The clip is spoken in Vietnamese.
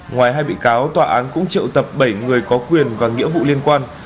ngoài hai bị cáo tòa án cũng triệu tập bảy người có quyền và nghĩa vụ liên quan